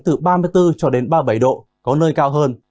từ ba mươi bốn cho đến ba mươi bảy độ có nơi cao hơn